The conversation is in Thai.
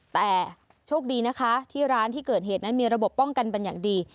แต่โชคดีนะคะที่ร้านที่เกิดเหตุนั้นมีระบบป้องกันเป็นอย่างดี